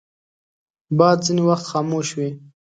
باد ځینې وخت خاموش وي